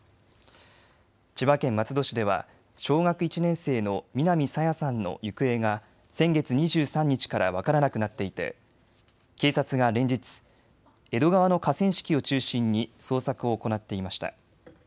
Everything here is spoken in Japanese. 千葉県松戸市では小学１年生の南朝芽さんの行方が先月２３日から分からなくなっていて警察が連日、江戸川の河川敷を中心に捜索を行っていました。